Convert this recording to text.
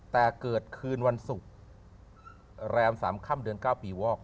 แต่เกิดคืนวันศุกร์แรม๓ค่ำเดือน๙ปีวอก